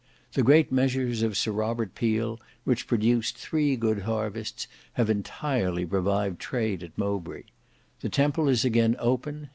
The great measures of Sir Robert Peel, which produced three good harvests, have entirely revived trade at Mowbray. The Temple is again open.